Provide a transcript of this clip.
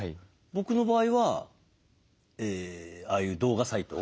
僕の場合はああいう動画サイト。